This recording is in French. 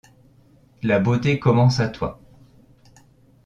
La beauté commence à toi.